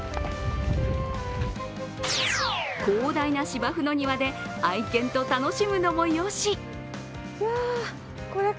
広大な芝生の庭で愛犬と楽しむのもよし。